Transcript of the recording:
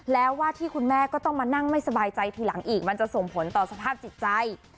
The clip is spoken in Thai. แล้วว่าที่คุณแม่ก็ต้องมานั่งไม่สบายใจทีหลังอีกมันจะส่งผลต่อสภาพจิตใจ